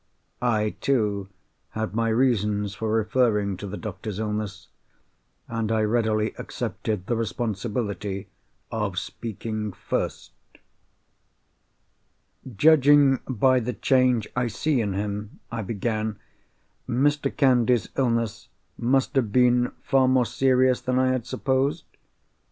I, too, had my reasons for referring to the doctor's illness: and I readily accepted the responsibility of speaking first. "Judging by the change I see in him," I began, "Mr. Candy's illness must have been far more serious than I had supposed?"